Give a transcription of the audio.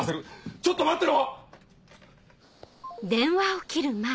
ちょっと待ってろ！